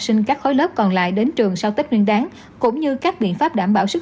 học sinh các khối lớp còn lại đến trường sau tết nguyên đáng cũng như các biện pháp đảm bảo sức